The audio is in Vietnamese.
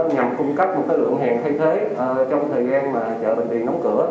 nhằm cung cấp một lượng hàng thay thế trong thời gian mà chợ bệnh viện đóng cửa